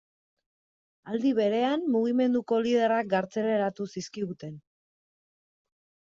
Aldi berean, mugimenduko liderrak kartzelaratu zizkiguten.